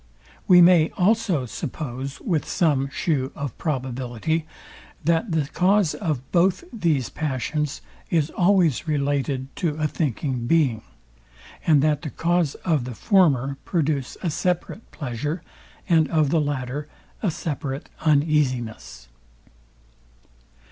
We may also suppose with some shew of probability, THAT THE CAUSE OF BOTH THESE PASSIONS IS ALWAYS RELATED TO A THINKING BEING, AND THAT THE CAUSE OF THE FORMER PRODUCE A SEPARATE PLEASURE, AND OF THE LATTER A SEPARATE UNEASINESS.